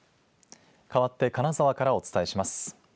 かわって金沢からお伝えします。